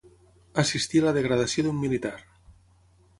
Assistir a la degradació d'un militar.